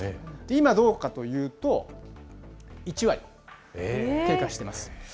今、どうかというと、１割、低下しています。